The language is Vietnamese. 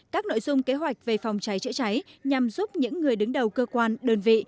các nội dung kế hoạch về phòng cháy chữa cháy nhằm giúp những người đứng đầu cơ quan đơn vị